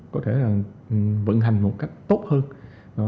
có thể vận hành một cách tốt hơn